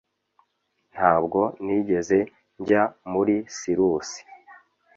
Ntabwo nigeze njya muri sirusi